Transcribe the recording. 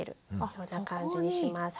こんな感じにします。